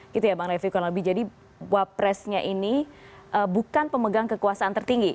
gitu ya bang refli jadi wapresnya ini bukan pemegang kekuasaan tertinggi